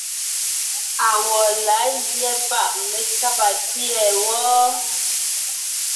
Awɔ̌ laa gyɛ́ páʼ mé kába pîɛ wɔ́?